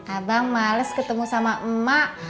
abang males ketemu sama emak